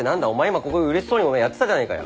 今ここでうれしそうにやってたじゃないかよ。